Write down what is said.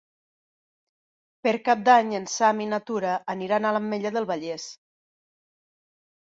Per Cap d'Any en Sam i na Tura aniran a l'Ametlla del Vallès.